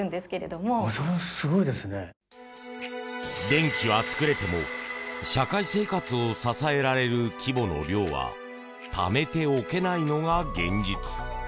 電気は作れても社会生活を支えられる規模の量はためておけないのが現実。